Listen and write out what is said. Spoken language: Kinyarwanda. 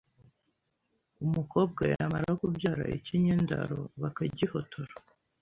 Umukobwa yamara kubyara ikinyendaro bakagihotora